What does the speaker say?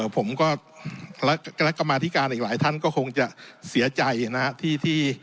ผมก็คณะกรรมาธิการอีกหลายท่านก็คงจะเสียใจนะครับ